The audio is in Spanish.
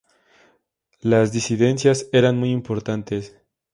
Las disidencias eran muy importantes.